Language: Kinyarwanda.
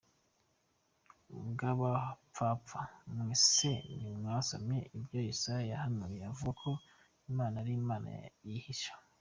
Mwa bapfapfa mwe se, ntimwasomye ibyo Yesaya yahanuye avuga ko Imana ari Imana yihisha!